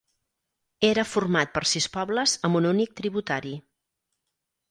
Era format per sis pobles, amb un únic tributari.